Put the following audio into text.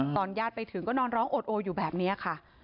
ญาติไปถึงก็นอนร้องโอดโออยู่แบบนี้ค่ะ